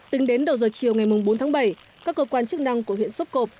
tính đến đầu giờ chiều ngày bốn tháng bảy các cơ quan chức năng của huyện sốp cộp